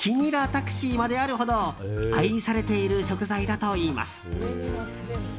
タクシーまであるほど愛されている食材だといいます。